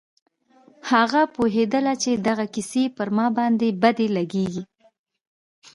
هغه پوهېدله چې دغه کيسې پر ما بدې لگېږي.